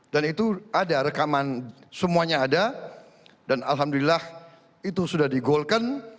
dan itu ada rekaman semuanya ada dan alhamdulillah itu sudah digolkan